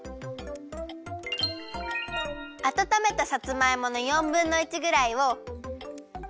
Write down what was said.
あたためたさつまいもの４ぶんの１ぐらいを。